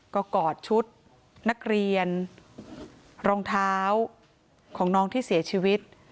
ก็กอดชุดนักเรียนรองเท้าของน้องที่เสียชีวิต